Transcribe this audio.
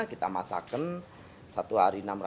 kita masakkan satu hari